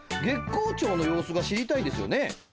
月光町の様子が知りたいんですよね？